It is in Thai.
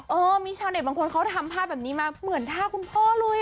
เออมีชาวเน็ตบางคนเขาทำภาพแบบนี้มาเหมือนท่าคุณพ่อเลย